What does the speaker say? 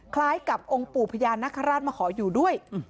คล้ายกับองค์ปู่พญานาคาราชมาขออยู่ด้วย